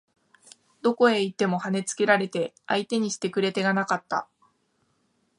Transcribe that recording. どこへ行っても跳ね付けられて相手にしてくれ手がなかった